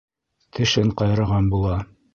Тешен ҡайраған була...